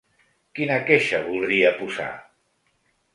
Quina queixa voldria posar?